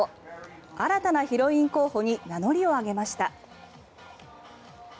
新たなヒロイン候補に名乗りを上げました。